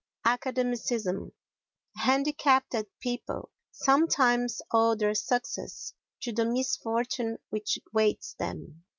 Academicism Handicapped people sometimes owe their success to the misfortune which weights them.